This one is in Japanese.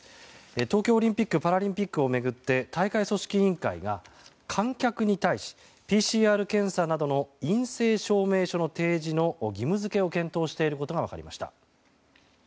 東京オリンピック・パラリンピックを巡って大会組織委員会が観客に対しＰＣＲ検査などの陰性証明書の提示の義務付けを検討していることが分かりました。